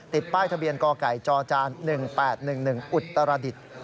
ติดป้ายทะเบียนก่อไก่จอจาน๑๘๑๑อุตรดิษฐ์